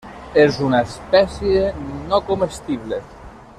És una espècie no comestible.